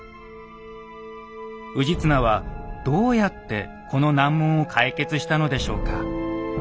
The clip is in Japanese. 氏綱はどうやってこの難問を解決したのでしょうか？